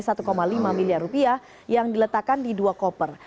satu lima miliar rupiah yang diletakkan di dua koper